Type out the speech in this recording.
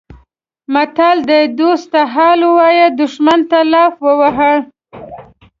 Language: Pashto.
متل دی: دوست ته حال ویلی دښمن ته لافې وهل.